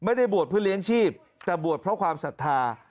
ไม่ได้บวชเพื่อเลี้ยงชีพแต่บวชเพราะความศรัทธา